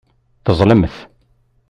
Teẓẓlemt.